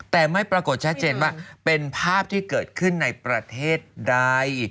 แต่ไม่ปรากฏชัดเจนว่าเป็นภาพที่เกิดขึ้นในประเทศใด